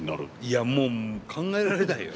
いや、もう考えられないよ。